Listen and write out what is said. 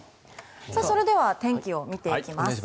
それでは、天気を見ていきます。